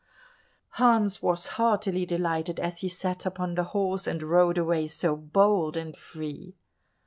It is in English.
Hans was heartily delighted as he sat upon the horse and rode away so bold and free.